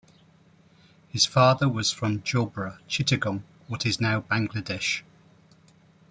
His father was from jobra, Chittagong, what is now Bangladesh.